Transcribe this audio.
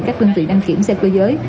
các linh tị đăng kiểm xe cơ giới